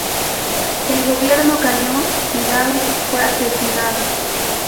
El gobierno cayó, y Daud fue asesinado.